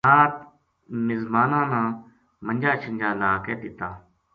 رات مِزماناں نا منجا شنجا لا کے دتا